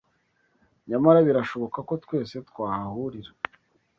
Nyamara birashoboka ko twese twahahurira